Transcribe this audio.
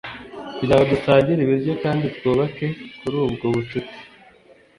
kugirango dusangire ibiryo kandi twubake kuri ubwo bucuti."